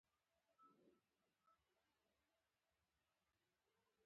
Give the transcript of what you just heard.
د ایسکیمیا د وینې کموالي له امله ده.